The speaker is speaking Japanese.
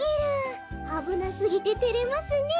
あぶなすぎててれますね。